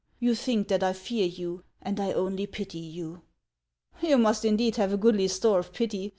You think that I fear you, and I only pity you !" "You must indeed have a goodly store of pity.